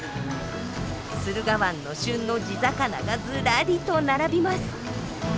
駿河湾の旬の地魚がずらりと並びます。